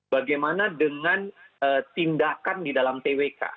bagaimana dengan tindakan di dalam twk